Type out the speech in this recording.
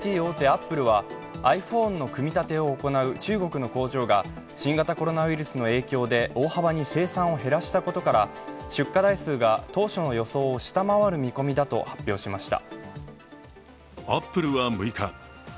アップルは、ｉＰｈｏｎｅの組み立てを行う中国の工場が新型コロナウイルスの影響で大幅に生産を減らしたことから出荷台数が当初の予想を下回る見込みだと発表しました。